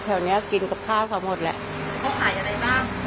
แถวเนี้ยกินกับข้าวเขาหมดแหละเขาขายอะไรบ้าง